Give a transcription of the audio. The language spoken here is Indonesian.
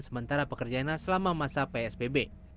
sementara pekerjanya selama masa psbb